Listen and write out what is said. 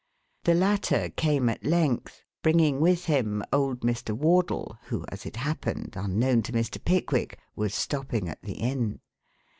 The latter came at length, bringing with him old Mr. Wardle, who, as it happened, unknown to Mr. Pickwick, was stopping at the inn.